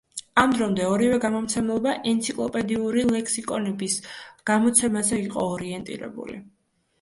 ამ დრომდე ორივე გამომცემლობა ენციკლოპედიური ლექსიკონების გამოცემაზე იყო ორიენტირებული.